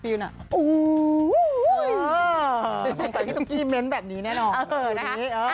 สงสัยพี่ตุ๊กกี้เม้นแบบนี้แน่นอน